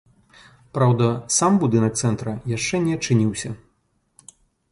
Праўда, сам будынак цэнтра яшчэ не адчыніўся.